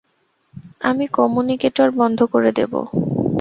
আমি কম্যুনিকেটর বন্ধ করে দেব।